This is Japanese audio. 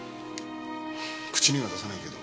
口には出さないけど。